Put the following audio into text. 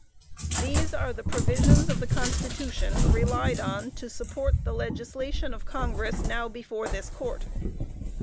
_" These are the provisions of the Constitution relied on to support the legislation of Congress now before this Court.